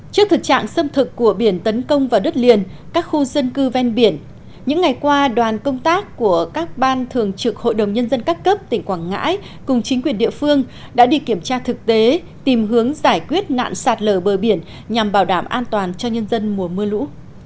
trước thực trạng xâm thực của biển tấn công vào đất liền các khu dân cư ven biển những ngày qua đoàn công tác của các ban thường trực hội đồng nhân dân các cấp tỉnh quảng ngãi cùng chính quyền địa phương đã đi kiểm tra thực tế tìm hướng giải quyết nạn sạt lở bờ biển nhằm bảo đảm an toàn cho nhân dân mùa mưa lũ